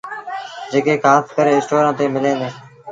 جيڪي کآس ڪري اسٽورآݩ تي مليٚن ديٚݩ۔